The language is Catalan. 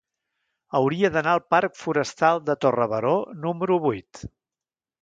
Hauria d'anar al parc Forestal de Torre Baró número vuit.